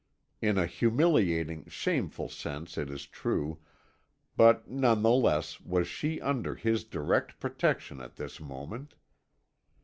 In a humiliating, shameful sense it is true, but none the less was she under his direct protection at this moment.